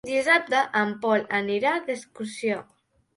Dissabte en Pol anirà d'excursió.